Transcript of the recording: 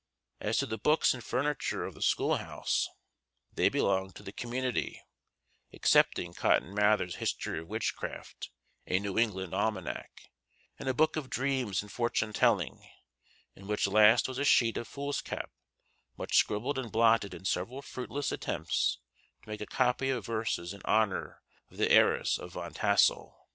As to the books and furniture of the school house, they belonged to the community, excepting Cotton Mather's History of Witchcraft, a New England Almanac, and a book of dreams and fortune telling; in which last was a sheet of foolscap much scribbled and blotted in several fruitless attempts to make a copy of verses in honor of the heiress of Van Tassel.